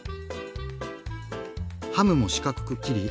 ハムも四角く切り